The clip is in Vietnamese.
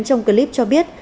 trong clip cho biết